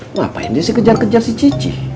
ngapain dia si kejar kejar si cici